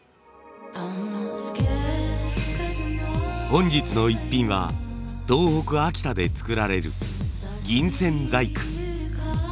本日の「イッピン」は東北秋田で作られる銀線細工。